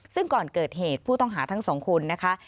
ซึ่งก่อนเกิดเหตุผู้ต้องหาทั้งสองคนนะคะ